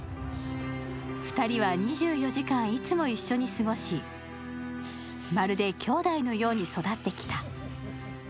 ２人は２４時間いつも一緒に過ごしまるで兄弟のように育ってきた。